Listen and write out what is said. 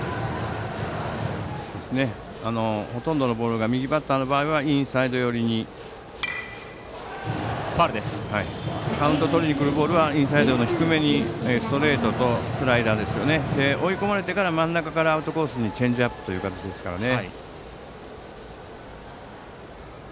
ほとんどのボールは右バッターの場合はカウントとりにくるボールはインサイド低めにストレートとスライダー。追い込まれてから真ん中からアウトコースにチェンジアップという形ですね。